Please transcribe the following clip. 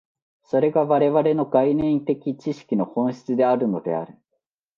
それが我々の概念的知識の本質であるのである。